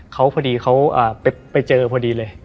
เขาพอดีเขาไปเจอพอดีเลย